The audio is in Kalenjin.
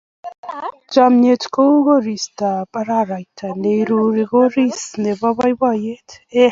Chomnyet kou koristab araraita ne ireu koris nebo boiboiyet.